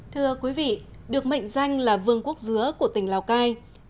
thưa quý vị được mệnh danh là vương quốc dứa của tàu cá quy b chín mươi một nghìn sáu trăm linh chín